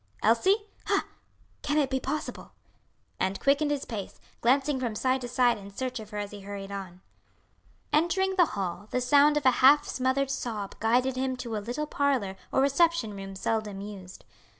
Elsie! ha! can it be possible?" and quickened his pace, glancing from side to side in search of her as he hurried on. Entering the hall, the sound of a half smothered sob guided him to a little parlor or reception room seldom used.